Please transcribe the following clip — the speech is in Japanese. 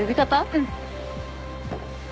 うん。